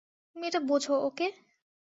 তুমি এটা বোঝো, ওকে?